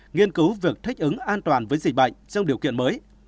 nghiên cứu việc thích ứng an toàn với dịch bệnh trong điều kiện mới